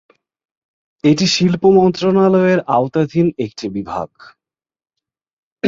এটি শিল্প মন্ত্রণালয়ের আওতাধীন একটি বিভাগ।